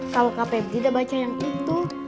kalau kak pebri udah baca yang itu